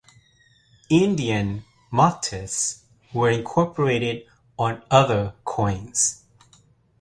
Indian motifs were incorporated on other coins.